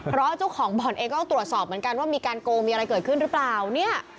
เพราะเจ้าของบ่อนเองก็ต้องตรวจสอบเหมือนกันว่ามีการโกงมีอะไรเกิดขึ้นหรือเปล่าเนี่ย